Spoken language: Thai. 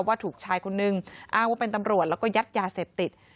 ว่าถูกชายคนนึงอ้างว่าเป็นตำรวจแล้วก็ยัดยาเสพติด